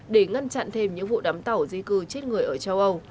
để ngăn chặn thêm những vụ đám tàu di cư chết người ở châu âu